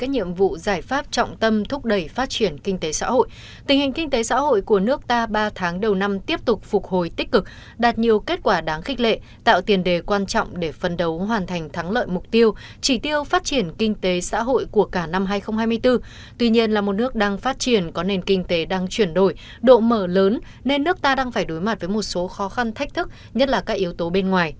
hãy nhớ like share và đăng ký kênh của chúng mình nhé